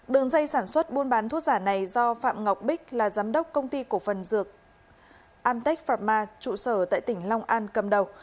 đường dây sản xuất buôn bán thuốc giả này do phạm ngọc bích là giám đốc công ty cổ phần dược amtech farma trụ sở tại tỉnh long an cầm đầu